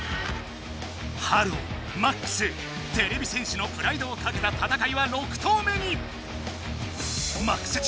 ｈｅｌｌｏ，ＭＡＸてれび戦士のプライドをかけた戦いは６投目に！